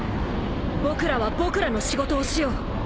僕らは僕らの仕事をしよう。